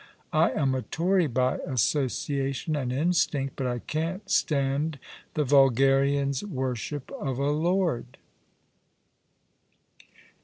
I am a Tory by asso ciation and instinct, but I can't stand the Tulgarian's wor ship of a lord."